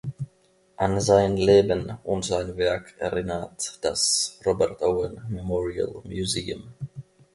An sein Leben und sein Werk erinnert das "Robert Owen Memorial Museum".